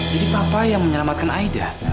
jadi papa yang menyelamatkan aida